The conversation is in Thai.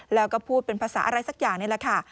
แล้วก็พูดเป็นภาษาอะไรสักอย่างนี่แหละค่ะ